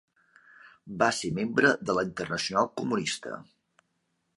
Va ser membre de la Internacional Comunista.